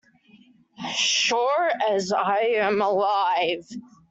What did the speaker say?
As sure as I am alive.